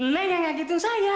neng yang ngeketin saya